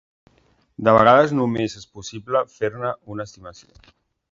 De vegades només és possible fer-ne una estimació.